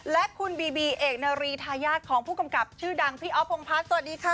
และคุณบีบีเอกนารีทายาทของผู้กำกับชื่อดังพี่อ๊อฟพงพัฒน์สวัสดีค่ะ